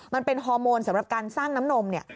มันเป็นฮอร์โมนสำหรับการสร้างน้ำนมเนี่ย